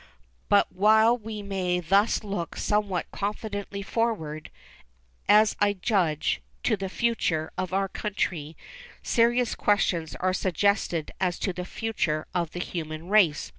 But while we may thus look somewhat confidently forward, as I judge, to the future of our country, serious questions are suggested as to the future of the human race.